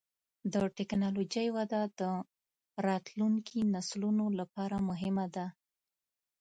د ټکنالوجۍ وده د راتلونکي نسلونو لپاره مهمه ده.